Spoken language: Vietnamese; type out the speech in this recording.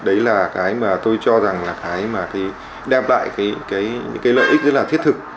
đấy là cái mà tôi cho rằng là cái mà đem lại những cái lợi ích rất là thiết thực